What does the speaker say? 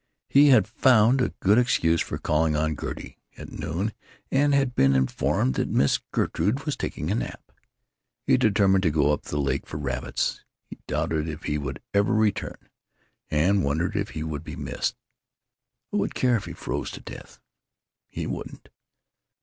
He had found a good excuse for calling on Gertie, at noon, and had been informed that Miss Gertrude was taking a nap. He determined to go up the lake for rabbits. He doubted if he would ever return, and wondered if he would be missed. Who would care if he froze to death? He wouldn't!